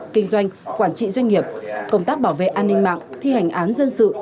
kinh doanh quản trị doanh nghiệp công tác bảo vệ an ninh mạng thi hành án dân sự